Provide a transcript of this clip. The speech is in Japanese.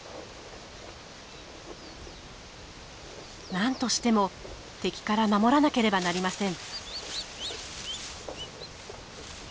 何としても敵から守らなければなりません。